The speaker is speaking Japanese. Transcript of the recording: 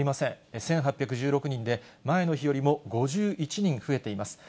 １８１６人で前の日よりも５１人増えています。